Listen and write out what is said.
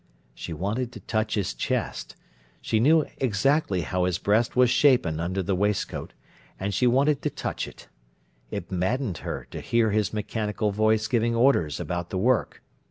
She wanted to touch his chest. She knew exactly how his breast was shapen under the waistcoat, and she wanted to touch it. It maddened her to hear his mechanical voice giving orders about the work.